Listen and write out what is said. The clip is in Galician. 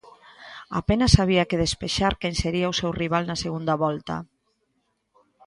Apenas había que despexar quen sería o seu rival na segunda volta.